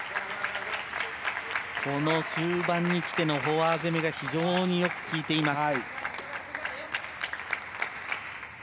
この終盤にきてのフォア攻めが非常によく効いています。